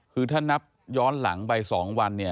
คือถ้านับย้อนหลังไปสองวัน